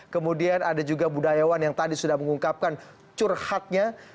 kemudian ada juga budayawan yang tadi sudah mengungkapkan curhatnya